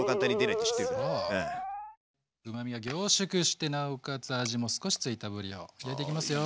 うまみが凝縮してなおかつ味も少し付いたぶりを入れていきますよ。